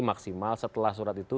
maksimal setelah surat itu